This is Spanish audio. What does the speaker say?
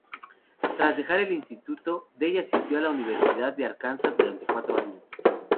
Tras dejar el instituto, Day asistió a la Universidad de Arkansas durante cuatro años.